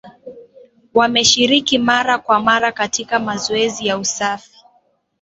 Wameshiriki mara kwa mara katika mazoezi ya usafi